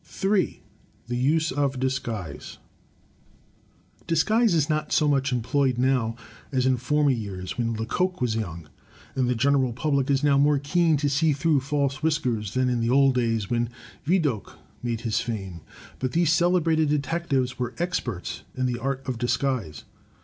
3. The Use of Disguise Disguise is not so much employed now as in former years when Lecoq was young. And the general public is now more keen to see through false whiskers than in the old days when Vidocq made his fame. Both these celebrated detec tives were experts in the art of disguise.